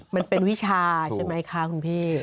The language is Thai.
มันเป็นวิชาใช่ไหมคะคุณพี่